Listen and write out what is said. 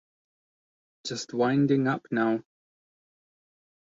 Just winding up now.